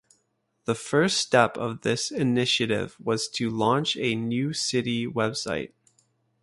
The first step of this initiative was to launch a new city website.